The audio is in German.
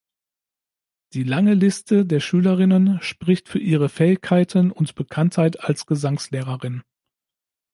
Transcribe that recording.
Die lange Liste der Schülerinnen spricht für ihre Fähigkeiten und Bekanntheit als Gesangslehrerin.